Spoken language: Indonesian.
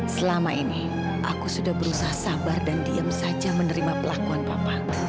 selama ini aku sudah berusaha sabar dan diam saja menerima pelakuan papa